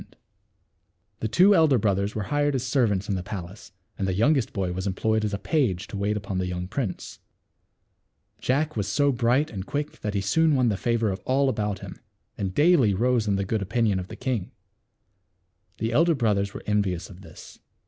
242 THE WITCH'S TREASURES. The two elder brothers were hired as servants in the palace, and the youngest boy was employed as a page to wait upon the young prince. Jack was so bright and quick that he soon won the favor of all about him, and daily rose in the good opinion of the king. The elder brothers were envious of this.